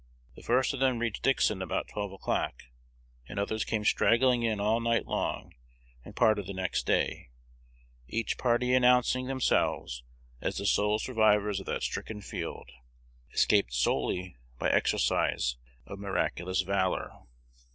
The first of them reached Dixon about twelve o'clock; and others came straggling in all night long and part of the next day, each party announcing themselves as the sole survivors of that stricken field, escaped solely by the exercise of miraculous valor.